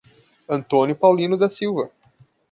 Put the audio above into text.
Antônio Paulino da Silva